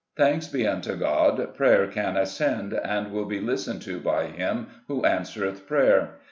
Thanks be unto God, prayer can ascend, and will be listened to by Him who answereth prayer